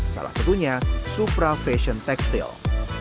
salah satunya supra fashion tekstil